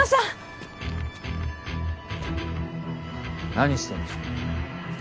何してんですか！？